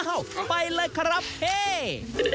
อ้าวไปเลยครับเฮ่ย